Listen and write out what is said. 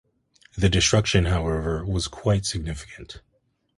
The destruction, however, was quite significant.